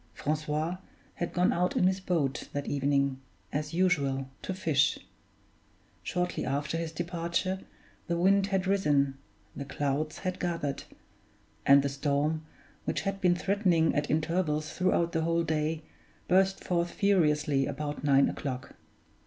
Francois had gone out in his boat that evening, as usual, to fish. Shortly after his departure, the wind had risen, the clouds had gathered; and the storm, which had been threatening at intervals throughout the whole day, burst forth furiously about nine o'clock.